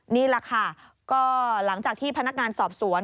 นี่แหละค่ะก็หลังจากที่พนักงานสอบสวน